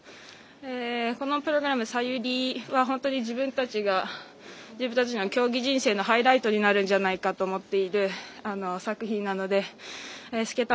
このプログラム「ＳＡＹＵＲＩ」は本当に自分たちの競技人生のハイライトになるんじゃないかと思っている作品なのでスケート